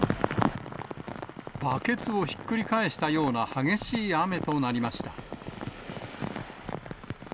バケツをひっくり返したような激しい雨となりました。